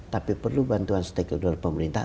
tapi perlu bantuan setara